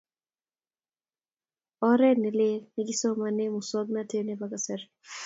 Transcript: Oret ne lele nikisomane musongnotet nebo kasari